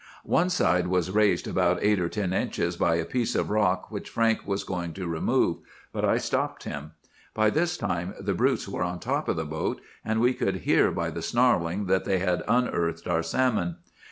"One side was raised about eight or ten inches by a piece of rock which Frank was going to remove; but I stopped him. By this time the brutes were on top of the boat, and we could hear by the snarling that they had unearthed our salmon.